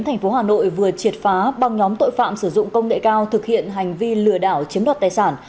thành phố hà nội vừa triệt phá băng nhóm tội phạm sử dụng công nghệ cao thực hiện hành vi lừa đảo chiếm đoạt tài sản